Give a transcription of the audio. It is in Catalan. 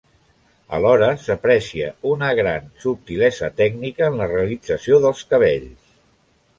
Alhora s'aprecia una gran subtilesa tècnica en la realització dels cabells.